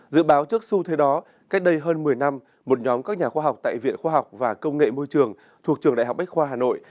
dự báo trước xu thế đó cách đây hơn một mươi năm một nhóm các nhà khoa học tại viện khoa học và công nghệ môi trường thuộc trường đại học bách khoa hà nội